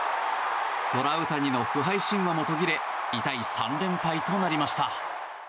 トラウタニの不敗神話も途切れ痛い３連敗となりました。